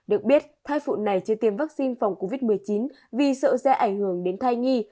được biết thai phụ này chưa tiêm vaccine phòng covid một mươi chín vì sợ sẽ ảnh hưởng đến thai nhi